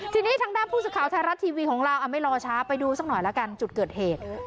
ทีนี้ทางด้านผู้สื่อข่าวไทยรัฐทีวีของเราไม่รอช้าไปดูสักหน่อยละกันจุดเกิดเหตุ